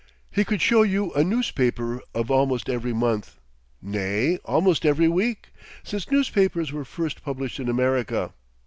He could show you a newspaper of almost every month nay, almost every week, since newspapers were first published in America.